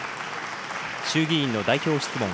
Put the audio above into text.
衆議院の代表質問。